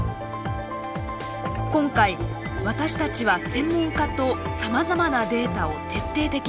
今回私たちは専門家とさまざまなデータを徹底的に分析。